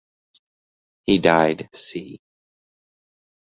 He died "c".